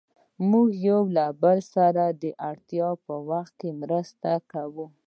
موږ يو له بل سره د اړتیا په وخت کې مرسته کوو.